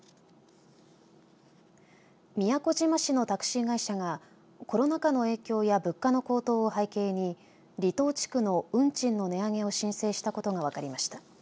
宮古島市のタクシー会社がコロナ禍の影響や物価の高騰を背景に離島地区の運賃の値上げを申請したことが分かりました。